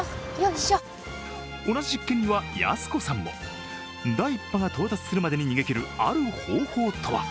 この実験にはやす子さんにも。第１波が到達するまでに逃げきるある方法とは。